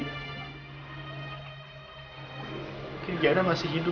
mungkin giana masih hidup